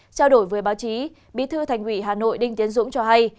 trao đổi với báo chí bí thư thành ủy hà nội đinh tiến dũng cho hay